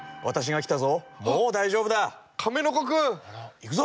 いくぞ！